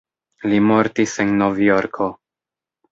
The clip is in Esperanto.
Li mortis en Novjorko.